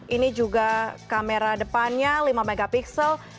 ini juga kamera depannya lima mp